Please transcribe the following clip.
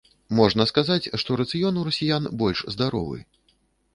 Можна сказаць, што рацыён у расіян больш здаровы.